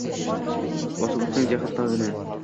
Bosib utsang jaxl togini